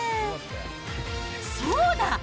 そうだ！